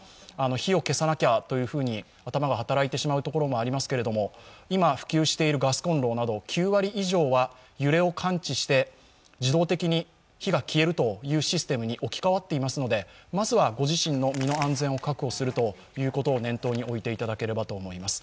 火を消さなきゃというふうに、頭が働いてしまうところもありますけれど今、普及しているガスコンロなど９割以上は揺れを感知して自動的に火が消えるというシステムに置きかわっていますのでまずはご自身のみの安全を確保するということを念頭に置いていただければと思います。